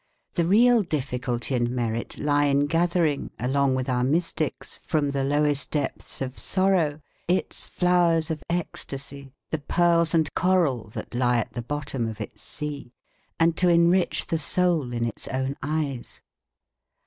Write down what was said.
The real difficulty and merit lie in gathering along with our mystics, from the lowest depths of sorrow, its flowers of ecstasy, the pearls and coral that lie at the bottom of its sea, and to enrich the soul in its own eyes.